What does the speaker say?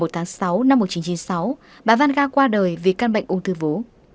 một mươi một tháng sáu năm một nghìn chín trăm chín mươi sáu bà vanga qua đời vì căn bệnh ung thư vú